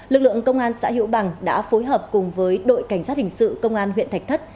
lực lượng công an xã hữu bằng đã phối hợp cùng với đội cảnh sát hình sự công an huyện thạch thất